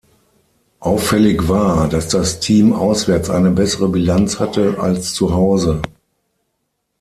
Auffällig war, dass das Team auswärts eine bessere Bilanz hatte, als zuhause.